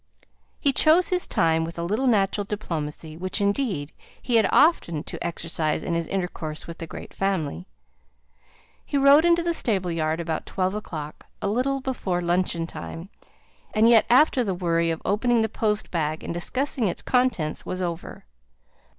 He chose his time, with a little natural diplomacy; which, indeed, he had often to exercise in his intercourse with the great family. He rode into the stable yard about twelve o'clock, a little before luncheon time, and yet after the worry of opening the post bag and discussing its contents was over.